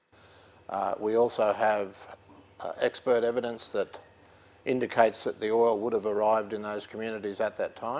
kami juga memiliki bukti yang menunjukkan bahwa minyak akan tiba di komunitas komunitas itu pada saat itu